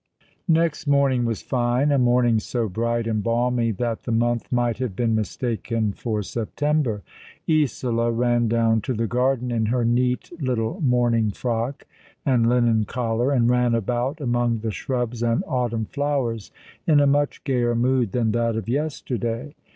Next morning was fine, a morning so bright and balmy that the month might have been mistaken for September. Isola ran down to the garden in her neat little morning frock and linen collar, and ran about among the shrubs and autumn flowers in a much gayer mood than that of yesterday.